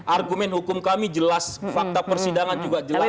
argumen hukum kami jelas fakta persidangan juga jelas